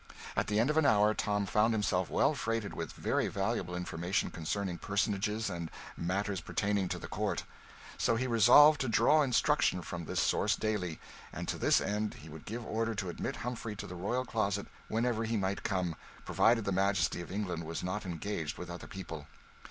At the end of an hour Tom found himself well freighted with very valuable information concerning personages and matters pertaining to the Court; so he resolved to draw instruction from this source daily; and to this end he would give order to admit Humphrey to the royal closet whenever he might come, provided the Majesty of England was not engaged with other people.